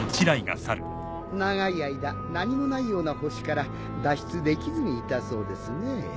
長い間何もないような星から脱出できずにいたそうですね。